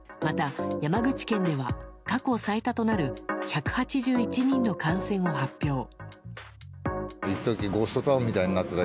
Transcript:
また、山口県では過去最多となる１８１人の感染を発表。